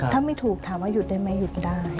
ถ้าไม่ถูกถามว่าหยุดได้ไหมหยุดได้